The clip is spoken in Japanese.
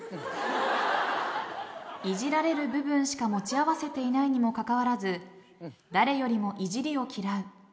いじられる部分しか持ち合わせていないにもかかわらず誰よりもいじりを嫌う。